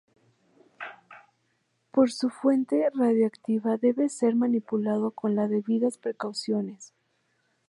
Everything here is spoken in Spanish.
Por su fuerte radiactividad debe ser manipulado con las debidas precauciones.